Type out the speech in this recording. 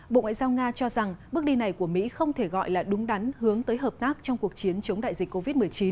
bộ ngoại giao nga cho rằng bước đi này của mỹ không thể gọi là đúng đắn hướng tới hợp tác trong cuộc chiến chống đại dịch covid một mươi chín